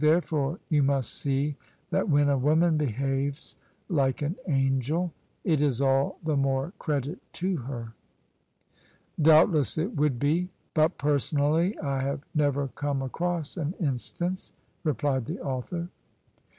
Therefore you must see that when a woman behaves like an angel it is all the more credit to her." " Doubtless it would be : but personally I have never come across an instance," replied the author.